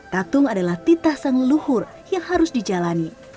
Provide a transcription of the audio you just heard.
tatung adalah titah sang leluhur yang harus dijalani